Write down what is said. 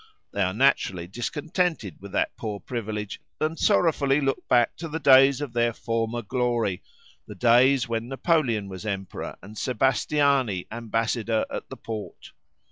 They are naturally discontented with that poor privilege, and sorrowfully look back to the days of their former glory—the days when Napoleon was Emperor, and Sebastiani ambassador at the Porte.